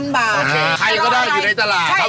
๑๐๐๐บาทฮะใครก็ได้อยู่ในตลาดครับผม